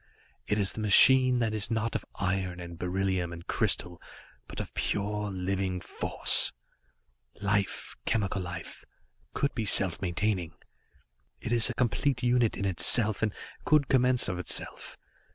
It is the machine that is not of iron and beryllium and crystal, but of pure, living force. "Life, chemical life, could be self maintaining. It is a complete unit in itself and could commence of itself.